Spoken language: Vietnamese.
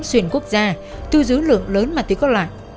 xuyên quốc gia thu giữ lượng lớn ma túy các loại